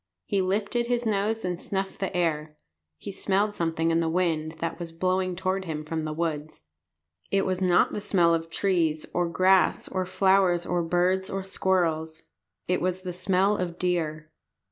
He lifted his nose and snuffed the air. He smelled something in the wind that was blowing toward him from the woods. It was not the smell of trees or grass or flowers or birds or squirrels. It was the smell of deer.